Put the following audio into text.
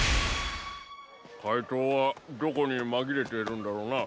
かいとうはどこにまぎれているんだろうな。